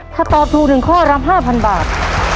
ถ้าตอบถูกหนึ่งข้อรับ๕๐๐๐บาท